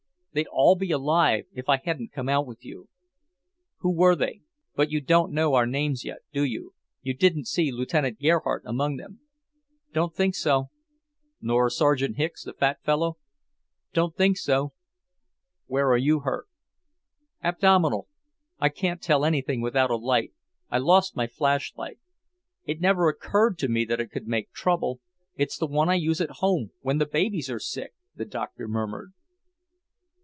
They'd all be alive, if I hadn't come out with you." "Who were they? But you don't know our names yet, do you? You didn't see Lieutenant Gerhardt among them?" "Don't think so." "Nor Sergeant Hicks, the fat fellow?" "Don't think so." "Where are you hurt?" "Abdominal. I can't tell anything without a light. I lost my flash light. It never occurred to me that it could make trouble; it's one I use at home, when the babies are sick," the doctor murmured.